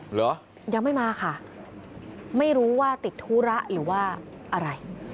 เหรอยังไม่มาค่ะไม่รู้ว่าติดธุระหรือว่าอะไร